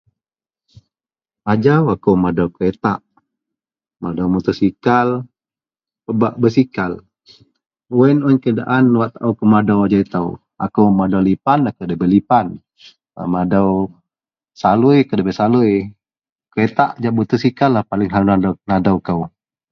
ajau akou madou keretak madou motosikal, pebak basikal, wak ien un keadaan wak taau kou madou ajau itou, akou madou lipan akou dabei lipan, bak madou salui akou dabei salui, keretak jahak motosikal lah paling ha nadou nadou kou